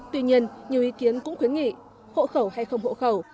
tuy nhiên nhiều ý kiến cũng khuyến nghị hộ khẩu hay không hộ khẩu